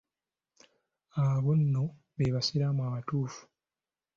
Abo nno be basiraamu abatuufu.